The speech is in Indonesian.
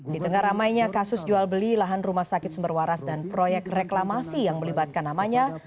di tengah ramainya kasus jual beli lahan rumah sakit sumber waras dan proyek reklamasi yang melibatkan namanya